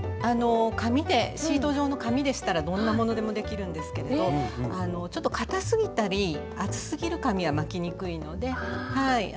あの紙でシート状の紙でしたらどんなものでもできるんですけれどちょっとかたすぎたり厚すぎる紙は巻きにくいのではい。